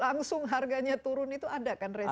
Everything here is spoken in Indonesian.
langsung harganya turun itu ada kan resiko